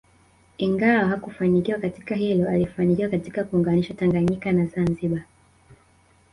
Ingawa hakufanikiwa katika hilo alifanikiwa katika kuunganisha Tanganyika na Zanzibar